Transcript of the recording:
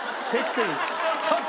ちょっと！